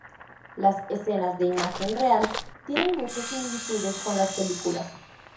Las escenas de imagen real tienen muchas similitudes con las películas.